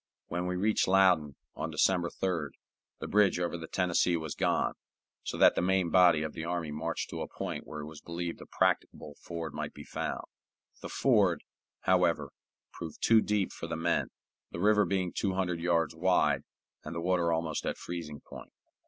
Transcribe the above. When we reached Loudon, on December 3d, the bridge over the Tennessee was gone, so that the main body of the army marched to a point where it was believed a practicable ford might be found. The ford, however, proved too deep for the men, the river being two hundred yards wide, and the water almost at freezing point.